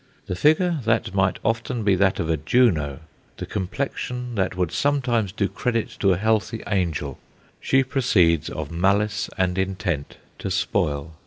The figure that might often be that of a Juno, the complexion that would sometimes do credit to a healthy angel, she proceeds of malice and intent to spoil.